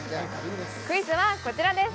クイズはこちらです